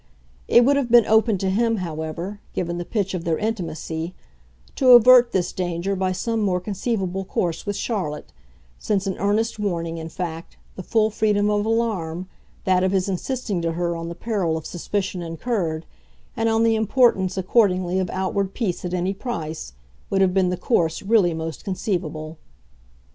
It would have been open to him however, given the pitch of their intimacy, to avert this danger by some more conceivable course with Charlotte; since an earnest warning, in fact, the full freedom of alarm, that of his insisting to her on the peril of suspicion incurred, and on the importance accordingly of outward peace at any price, would have been the course really most conceivable.